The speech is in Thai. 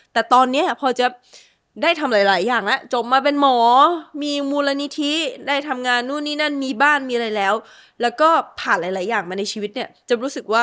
แต่ตอนนี้พอเจ้าได้ทำหลายอย่างแล้วจบมาเป็นหมอมีมูลนิธิได้ทำงานนู่นนี่นั่นมีบ้านมีอะไรแล้ว